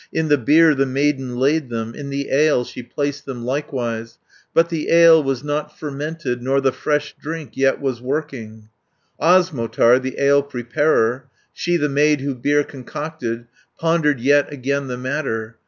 "In the beer the maiden laid them, In the ale she placed them likewise, But the ale was not fermented, Nor the fresh drink yet was working. 250 "Osmotar, the ale preparer, She, the maid who beer concocted, Pondered yet again the matter.